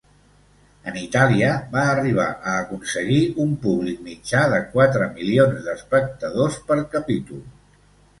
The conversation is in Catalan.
En Itàlia, va arribar a aconseguir un públic mitjà de quatre milions d'espectadors per capítol.